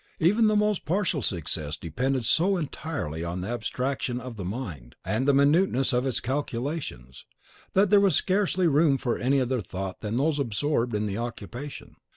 Even the most partial success depended so entirely on the abstraction of the mind, and the minuteness of its calculations, that there was scarcely room for any other thought than those absorbed in the occupation.